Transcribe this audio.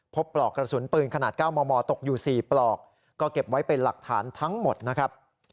ปลอกกระสุนปืนขนาด๙มมตกอยู่๔ปลอกก็เก็บไว้เป็นหลักฐานทั้งหมดนะครับ